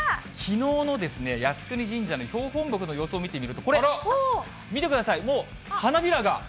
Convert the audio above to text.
きのうの靖国神社の標本木の様子を見てみると、これ、見てください、もう花びらが。